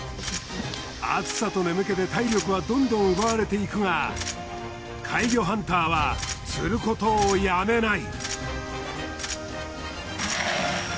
暑さと眠気で体力はどんどん奪われていくが怪魚ハンターは釣ることをやめない。